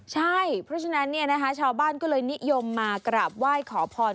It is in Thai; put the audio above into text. ใช่เพราะฉะนั้นชาวบ้านก็เลยนิยมมากราบไหว้ขอพร